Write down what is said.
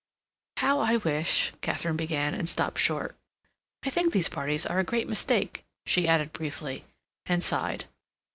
"How I wish—" Katharine began, and stopped short. "I think these parties are a great mistake," she added briefly, and sighed.